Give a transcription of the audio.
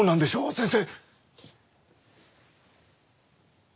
先生。